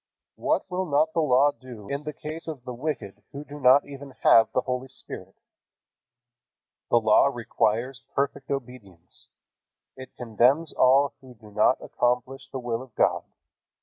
What will not the Law do in the case of the wicked who do not even have the Holy Spirit? The Law requires perfect obedience. It condemns all who do not accomplish the will of God.